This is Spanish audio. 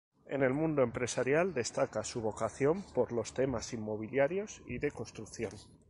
En el mundo empresarial destaca su vocación por los temas inmobiliarios y de construcción.